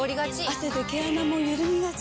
汗で毛穴もゆるみがち。